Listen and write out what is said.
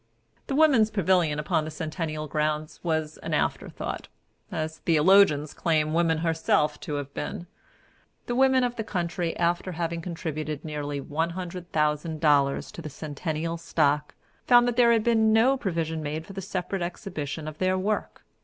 The Woman's Pavilion upon the centennial grounds was an afterthought, as theologians claim woman herself to have been. The women of the country, after having contributed nearly one hundred thousand dollars to the centennial stock, found there had been no provision made for the separate exhibition of their work.